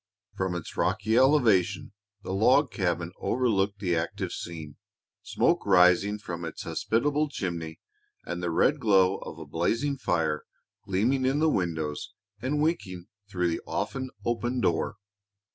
From its rocky elevation the log cabin overlooked the active scene, smoke rising from its hospitable chimney and the red glow of a blazing fire gleaming in the windows and winking through the often opened door.